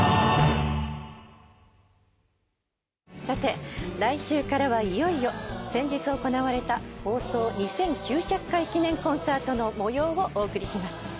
さて来週からはいよいよ先日行われた放送２９００回記念コンサートの模様をお送りします。